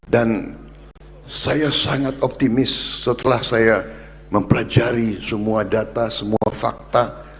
dan saya sangat optimis setelah saya mempelajari semua data semua fakta